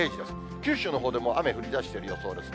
九州のほうでもう、雨が降りだしている予報ですね。